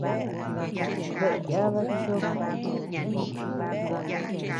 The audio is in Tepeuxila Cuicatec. ¿Daë yada chó?